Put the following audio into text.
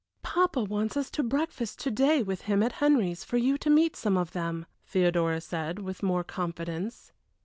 "Papa wants us to breakfast to day with him at Henry's for you to meet some of them," Theodora said, with more confidence.